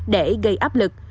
để gây áp lực